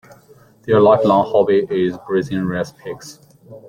Their lifelong hobby is breeding rare pigs.